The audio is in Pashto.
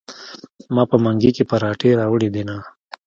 ما په منګي کې پراټې راوړي دینه.